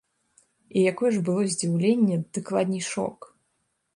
І якое ж было здзіўленне, дакладней, шок.